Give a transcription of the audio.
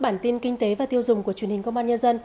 bản tin kinh tế và tiêu dùng của truyền hình công an nhân dân